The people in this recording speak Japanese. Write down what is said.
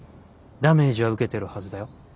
ダメージは受けてるはずだよ。